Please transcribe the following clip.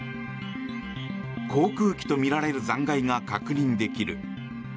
航空機とみられる残骸が確認できる。